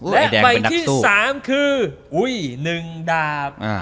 และไหนที่สามคือ๑ดาพ